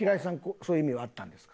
そういう意味はあったんですか？